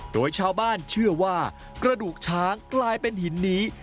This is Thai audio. โดยชาวบ้านเชื่อว่ากระดูกช้างกลายเป็นหินนี้